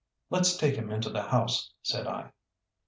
"Let's take him to the house," said I.